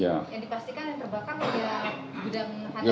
yang dipastikan yang terbakar adalah gudang handak penyelidikan